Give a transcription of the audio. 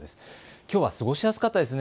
きょうは過ごしやすかったですね。